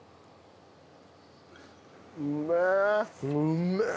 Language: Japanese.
うめえ！